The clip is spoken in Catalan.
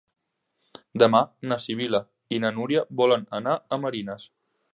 Demà na Sibil·la i na Núria volen anar a Marines.